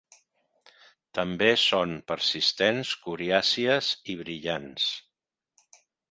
També són persistents, coriàcies i brillants.